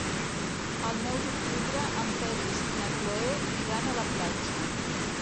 El nou d'octubre en Peris i na Cloè iran a la platja.